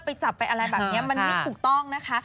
ไปจับไปอะไรแบบนี้มันไม่ถูกต้องนะคะ